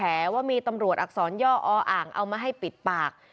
ว่ามีตำรวจอักษรย่ออ่างเอามาให้ปิดปาก